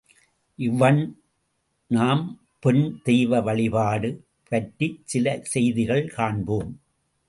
இவண் நாம் பெண் தெய்வ வழிபாடு பற்றிச் சில செய்திகள் காண்போம்.